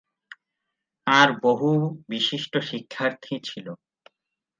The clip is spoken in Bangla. তাঁর বহু বিশিষ্ট শিক্ষার্থী ছিল।